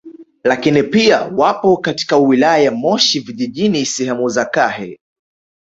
Lakini pia wapo katika wilaya ya Moshi Vijijini sehemu za Kahe